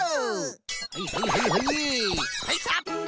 はいはいはいはいはいきた！